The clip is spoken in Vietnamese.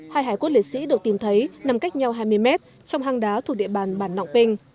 hai hải quốc lễ sĩ được tìm thấy nằm cách nhau hai mươi mét trong hang đá thuộc địa bàn bản nọng pinh